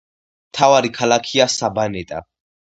მთავარი ქალაქია საბანეტა.